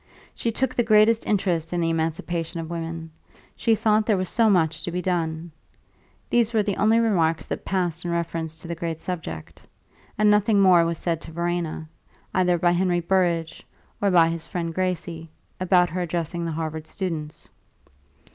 She took the greatest interest in the emancipation of women; she thought there was so much to be done. These were the only remarks that passed in reference to the great subject; and nothing more was said to Verena, either by Henry Burrage or by his friend Gracie, about her addressing the Harvard students.